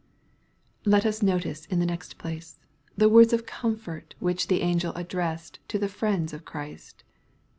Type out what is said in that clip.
Let us notice in the next place, the words of comfort which the angd addressed to the friends of Christ.